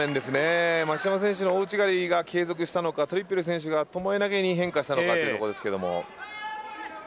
増山選手の大内刈が継続したのかトリッペル選手が巴投に変化したのかというところです。